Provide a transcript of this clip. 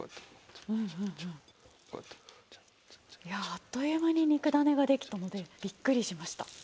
いやあっという間に肉だねができたのでびっくりしました。